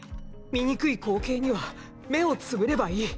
醜い光景には目をつむればいい。